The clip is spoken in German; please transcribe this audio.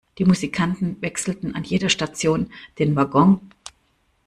Die Musikanten wechselten an jeder Station den Waggon.